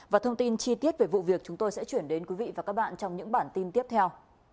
và thông tin chi tiết về vụ việc chúng tôi sẽ chuyển đến quý vị và các bạn trong những bản tin tiếp theo